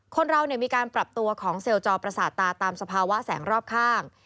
คนเรามีการปรับตัวของเซลลจอประสาทตาตามสภาวะแสงรอบข้าง